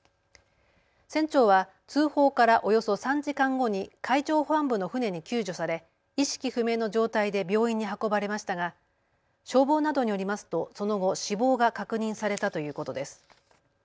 船長は通報からおよそ３時間後に海上保安部の船に救助され意識不明の状態で病院に運ばれましたが消防などによりますとその後、死亡が確認されたということです。